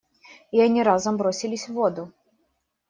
И они разом бросились в воду.